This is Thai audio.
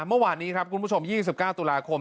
เมื่อวานนี้ครับคุณผู้ชม๒๙ตุลาคม